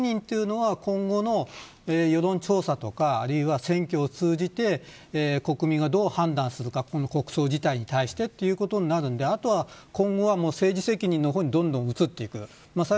政治責任というのは今後の世論調査とかあるいは選挙を通じて国民が、どう判断するか国葬事態に対してということになるのであとは今後は政治責任の方にどんどん移っていく。